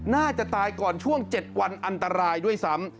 น่าจะตายก่อนช่วง๗วันอันตรายด้วยซ้ำ